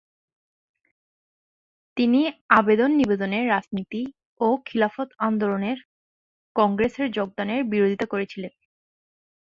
তিনি আবেদন-নিবেদনের রাজনীতি ও খিলাফত আন্দোলনে কংগ্রেসের যোগদানের বিরোধিতা করেছিলেন।